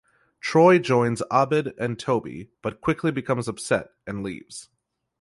Troy joins Abed and Toby but quickly becomes upset and leaves.